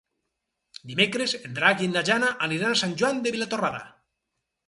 Dimecres en Drac i na Jana aniran a Sant Joan de Vilatorrada.